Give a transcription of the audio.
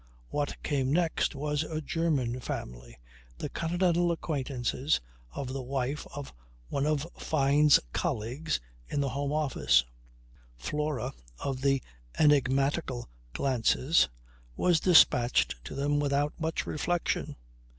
What came next was a German family, the continental acquaintances of the wife of one of Fyne's colleagues in the Home Office. Flora of the enigmatical glances was dispatched to them without much reflection.